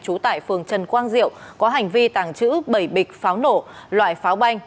trú tại phường trần quang diệu có hành vi tàng trữ bảy bịch pháo nổ loại pháo banh